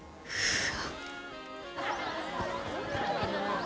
うわ！